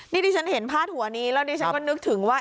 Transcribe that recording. นี่ดิฉันเห็นพาดหัวนี้แล้วดิฉันก็นึกถึงว่า